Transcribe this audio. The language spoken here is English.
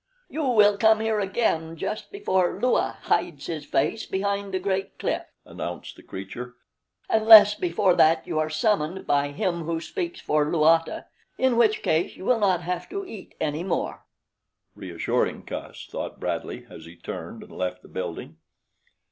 "You will come here again just before Lua hides his face behind the great cliff," announced the creature, "unless before that you are summoned by Him Who Speaks for Luata, in which case you will not have to eat any more." "Reassuring cuss," thought Bradley as he turned and left the building.